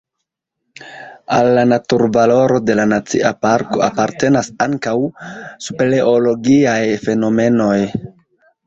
Al la naturvaloro de la nacia parko apartenas ankaŭ speleologiaj fenomenoj.